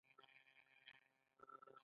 ښځه د کور وزیره ده.